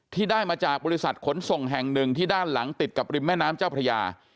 ที่ได้มาจากบริษัทขนส่งแห่งหนึ่งที่ด้านหลังติดกับริมแม่น้ำเจ้าพระยา